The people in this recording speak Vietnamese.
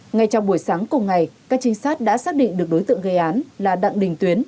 ngay trong buổi sáng cùng ngày các trinh sát đã xác định được đối tượng gây án là đặng đình tuyến